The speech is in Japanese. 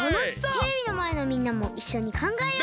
テレビのまえのみんなもいっしょにかんがえよう！